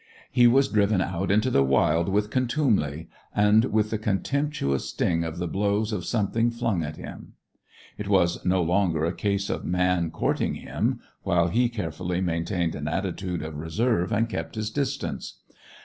He was driven out into the wild with contumely, and with the contemptuous sting of the blow of something flung at him. It was no longer a case of man courting him, while he carefully maintained an attitude of reserve and kept his distance.